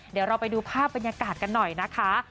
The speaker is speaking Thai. เดี๋ยวเราไปดูภาพบรรยากาศกันหน่อยนะคะ